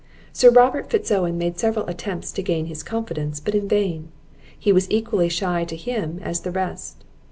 Sir Robert Fitz Owen made several attempts to gain his confidence, but in vain; he was equally shy to him as the rest.